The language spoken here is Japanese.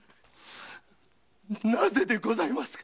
なぜでございますか！